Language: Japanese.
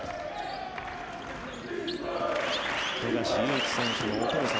富樫勇樹選手のお父さん